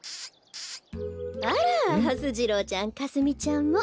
あらはす次郎ちゃんかすみちゃんも。